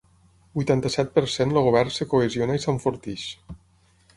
Vuitanta-set per cent El govern es cohesiona i s’enforteix.